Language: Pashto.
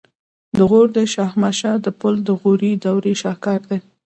د غور د شاهمشه د پل د غوري دورې شاهکار دی